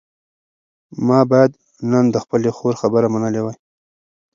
ما باید نن د خپلې خور خبره منلې وای.